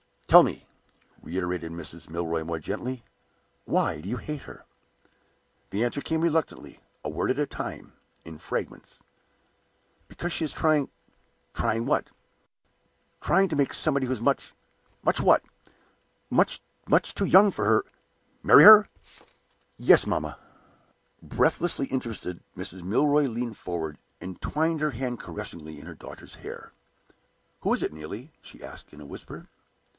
"Tell me," reiterated Mrs. Milroy, more gently, "why do you hate her?" The answer came reluctantly, a word at a time, in fragments. "Because she is trying " "Trying what?" "Trying to make somebody who is much " "Much what?" "Much too young for her " "Marry her?" "Yes, mamma." Breathlessly interested, Mrs. Milroy leaned forward, and twined her hand caressingly in her daughter's hair. "Who is it, Neelie?" she asked, in a whisper.